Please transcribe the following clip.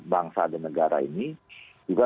bangsa dan negara ini juga